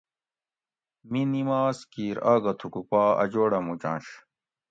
می نِماز کِیر آگہ تھوکو پا اۤ جوڑہ موچنش